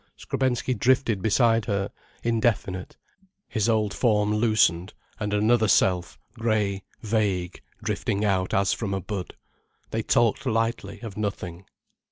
Skrebensky drifted beside her, indefinite, his old form loosened, and another self, grey, vague, drifting out as from a bud. They talked lightly, of nothing.